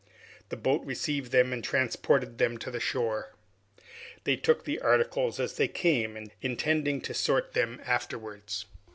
The boat received them and transported them to the shore. They took the articles as they came, intending to sort them afterwards.